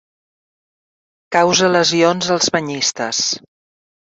Causa lesions als banyistes.